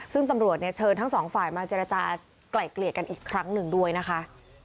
ซึ่งตำรวจเนี่ยเชิญทั้งสองฝ่ายมาเจรจากลายเกลี่ยกันอีกครั้งหนึ่งด้วยนะคะ